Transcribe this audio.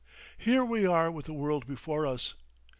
Here we are with the world before us!